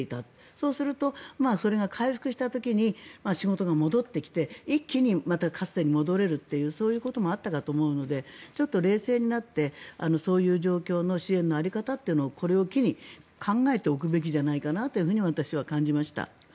そうすると、それが回復した時に仕事が戻ってきて一気にまたかつてに戻れるというそういうこともあったかと思うのでちょっと冷静になってそういう状況の支援の在り方というのをこれを機に考えておくべきじゃないかなと私は感じました。